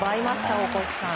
大越さん。